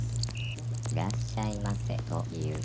「いらっしゃいませと言う」